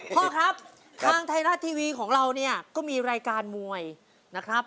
พ่อครับทางไทยรัฐทีวีของเราเนี่ยก็มีรายการมวยนะครับ